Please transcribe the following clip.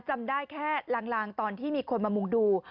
จำได้แค่ลางตอนที่มีคนมามุ่งดู